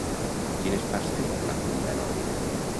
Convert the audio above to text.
Quines parts té la funda nòrdica?